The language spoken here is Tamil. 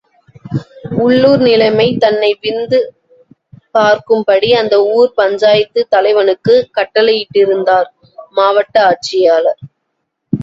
உள்ளுர் நிலைமை தன்னை விந்து பார்க்கும்படி அந்த ஊர் பஞ்சாயத்து தலைவனுக்குக் கட்டளையிட்டிருந்தார் மாவட்ட ஆட்சியாளர்.